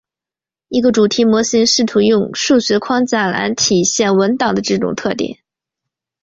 一个主题模型试图用数学框架来体现文档的这种特点。